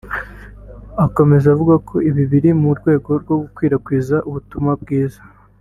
Akomeza avuga ko ibi biri mu rwego rwo gukwirakwiza ubutumwa bwiza